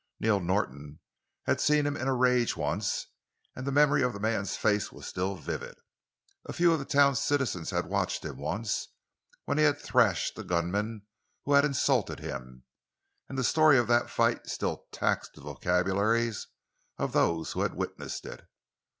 Neil Norton had seen him in a rage once, and the memory of the man's face was still vivid. A few of the town's citizens had watched him once—when he had thrashed a gunman who had insulted him—and the story of that fight still taxed the vocabularies of those who had witnessed it.